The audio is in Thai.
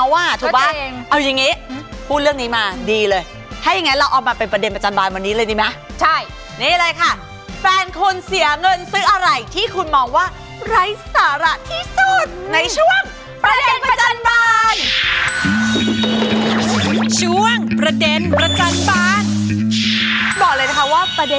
มันเป็นหลักพันหลักหมื่นหลักแสนแล้วแต่